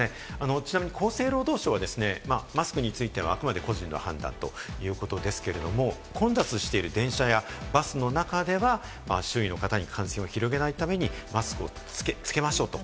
ちなみに厚生労働省はマスクについては、あくまで個人の判断ということですけれども、混雑している電車やバスの中では周囲の方に感染を広げないためにマスクをつけましょうと。